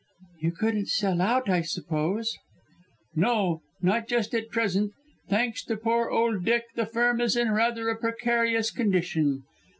"You couldn't sell out I suppose?" "No, not just at present. Thanks to poor old Dick the Firm is in rather a precarious condition!